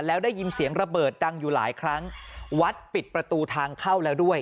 แล้วได้ยินเสียงระเบิดดังอยู่หลายครั้งวัดปิดประตูทางเข้าแล้วด้วย